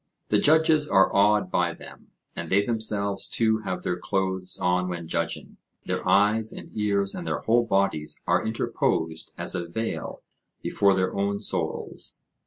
The judges are awed by them, and they themselves too have their clothes on when judging; their eyes and ears and their whole bodies are interposed as a veil before their own souls.